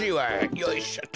よいしょと。